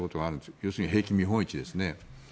要するに兵器見本市ですね。